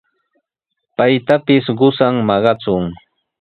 Paytapis qusan maqachun.